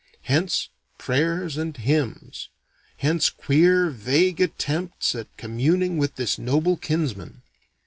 Hence prayers and hymns. Hence queer vague attempts at communing with this noble kinsman.